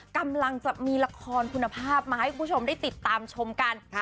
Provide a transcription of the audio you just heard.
กำลังจะมีละครคุณภาพมาให้คุณผู้ชมได้ติดตามชมกัน